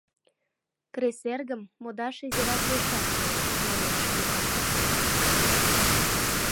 — Кресэргым модаш изирак йоча кӱлеш, — манеш Шкетан.